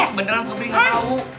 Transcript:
oh beneran sobri gak tahu